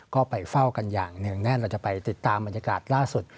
ก็ไปเฝ้ากันอย่างเนื่องแน่นเราจะไปติดตามบรรยากาศล่าสุด